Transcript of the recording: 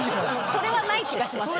それはない気がします。